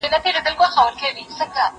زه اوږده وخت ښوونځی ته ځم وم،